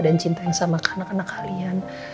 dan cinta yang sama ke anak anak kalian